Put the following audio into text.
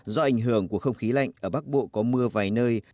do ảnh hưởng của không khí lạnh ở bắc bộ có mưa vài nơi